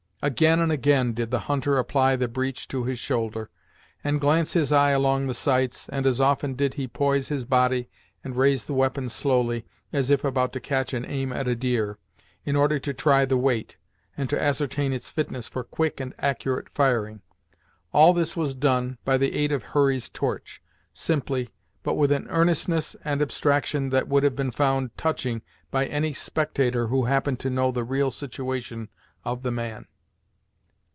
Again and again did the hunter apply the breech to his shoulder, and glance his eye along the sights, and as often did he poise his body and raise the weapon slowly, as if about to catch an aim at a deer, in order to try the weight, and to ascertain its fitness for quick and accurate firing. All this was done, by the aid of Hurry's torch, simply, but with an earnestness and abstraction that would have been found touching by any spectator who happened to know the real situation of the man.